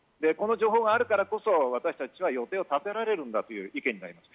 この情報があるからこそ、私たちは予定を立てられるという意見です。